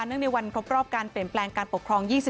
ในวันครบรอบการเปลี่ยนแปลงการปกครอง